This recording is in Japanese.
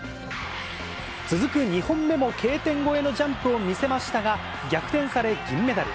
続く２本目もＫ点越えのジャンプを見せましたが、逆転され、銀メダル。